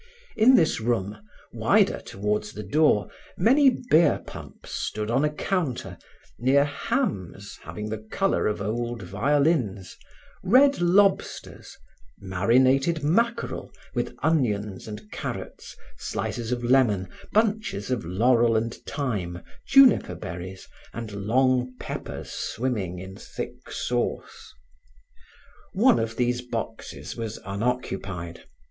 In this room, wider towards the door, many beer pumps stood on a counter, near hams having the color of old violins, red lobsters, marinated mackerel, with onions and carrots, slices of lemon, bunches of laurel and thym, juniper berries and long peppers swimming in thick sauce. One of these boxes was unoccupied.